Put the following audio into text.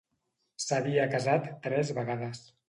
S'havia casat tres vegades.